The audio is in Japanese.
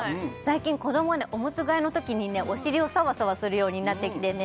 最近子供がおむつ替えのときにねお尻をさわさわするようになってきてね